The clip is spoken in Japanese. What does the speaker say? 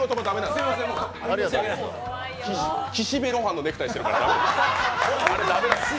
岸辺露伴のネクタイしてるから、駄目よ。